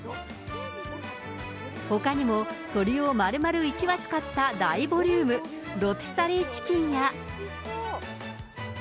ほかにも、鶏をまるまる１羽使った大ボリューム、ロティサリーチキンや。